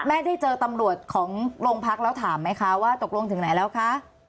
ได้เจอตำรวจของโรงพักแล้วถามไหมคะว่าตกลงถึงไหนแล้วคะ